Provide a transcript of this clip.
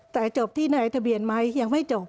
แต่จบที่ในทะเบียนไหมยังไม่จบ